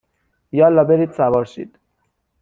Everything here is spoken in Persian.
یالا برید سوار شید